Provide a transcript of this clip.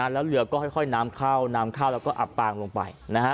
แล้วเรือก็ค่อยน้ำเข้าน้ำเข้าแล้วก็อับปางลงไป